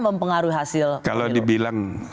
mempengaruhi hasil kalau dibilang